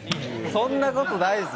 そんなことないです。